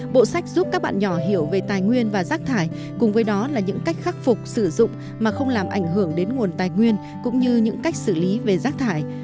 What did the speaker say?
bộ sách giúp các bạn nhỏ hiểu về tài nguyên và rác thải cùng với đó là những cách khắc phục sử dụng mà không làm ảnh hưởng đến nguồn tài nguyên cũng như những cách xử lý về rác thải